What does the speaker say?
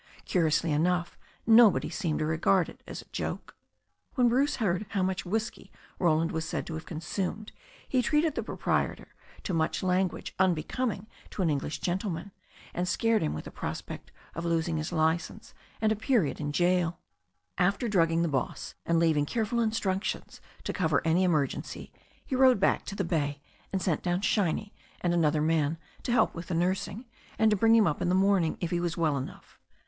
Curiously enough, nobody seemed to regard it as a joke. When Bruce heard how much whisky Roland was said to have consumed he treated the proprietor to much lan guage unbecoming to an English gentleman, and scared him with the prospect of losing his license, and a period in gaol. After drugging the boss and leaving careful instructions to cover any emergency, he rode back to the bay, and sent down Shiny and another man to help with the nursing, and to bring him up in the morning if he was well enough.